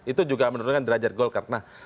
itu juga menurunkan derajat golkar